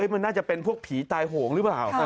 มันน่าจะเป็นพวกผีตายโหงหรือเปล่า